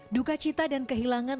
duka cita dan kehilangan